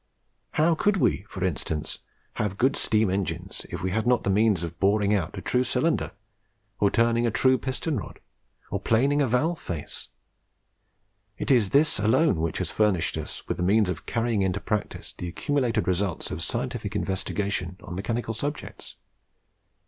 How could we, for instance, have good steam engines if we had not the means of boring out a true cylinder, or turning a true piston rod, or planing a valve face? It is this alone which has furnished us with the means of carrying into practice the accumulated result's of scientific investigation on mechanical subjects.